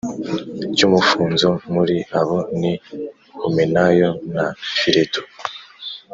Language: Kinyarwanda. cy umufunzo Muri abo ni Humenayo na Fileto